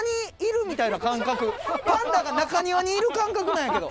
パンダが中庭にいる感覚なんやけど。